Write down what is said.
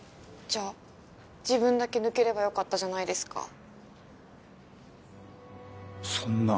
じゃあ自分だけ抜ければよかったじゃないですか。